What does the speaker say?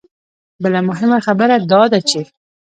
بله مهمه خبره دا ده چې